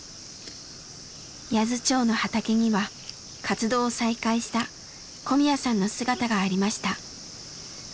八頭町の畑には活動を再開した小宮さんの姿がありました。